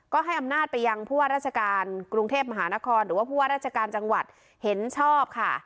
ก็ให้อำนาจไปยังผู้ว่าราชการกรุงเทพมหานครหรือว่าผู้ว่าราชการจังหวัดเห็นชอบค่ะ